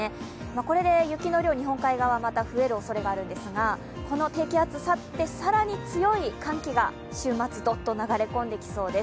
これで雪の量、日本海側、また増えるおそれがあるんですがこの低気圧去ってさらに強い寒気が週末流れ込んできそうです